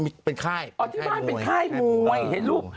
อ๋อที่บ้านเป็นค่ายมวยเห็นรูป